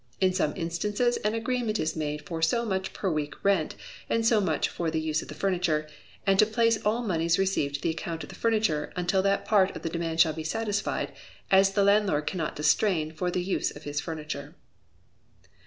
In some instances an agreement is made for so much per week rent, and so much for the use of the furniture, and to place all moneys received to the account of the furniture, until that part of the demand shall be satisfied, as the landlord cannot distrain for the use of his furniture.